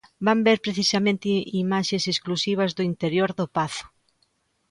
Van ver, precisamente, imaxes exclusivas do interior do pazo.